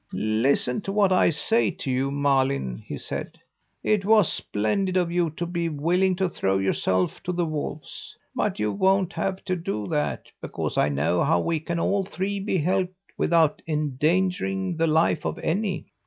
"'Listen to what I say to you, Malin!' he said. 'It was splendid of you to be willing to throw yourself to the wolves. But you won't have to do that because I know how we can all three be helped without endangering the life of any.